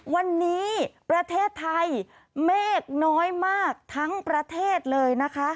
วันนี้ประเทศไทยเมฆน้อยมากทั้งประเทศเลยนะคะ